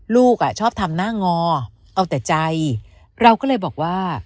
ลูกอ่ะชอบทำหน้างอเอาแต่ใจเราก็เลยบอกว่า